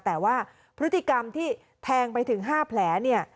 แต่ว่าพฤติกรรมที่แทงไปถึง๕แผลเนี่ย